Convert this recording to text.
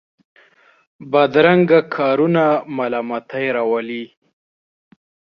بدرنګه کارونه ملامتۍ راولي